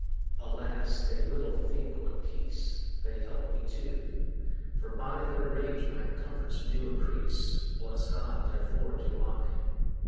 Alas! they little think what peace They help me to, for by Their rage my comforts do increase; Bless God, therefore, do I.